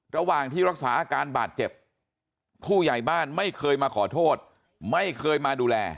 ระหว่างที่รักษาอาการบาดเจ็บผู้ใหญ่บ้านไม่เคยมาขอโทษไม่เคยมาดูแล